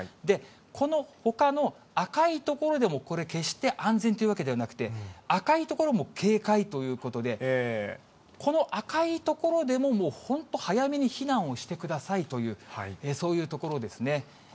このほかの赤い所でも、これ、決して安全というわけではなくて、赤い所も警戒ということで、この赤い所でも、もう本当、早めに避難をしてくださいという、そういう所ですね。